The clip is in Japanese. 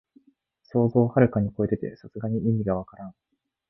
想像をはるかにこえてて、さすがに意味がわからん